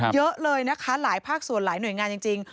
เยอะเลยนะคะหลายภาคส่วนหลายหน่วยงานจริง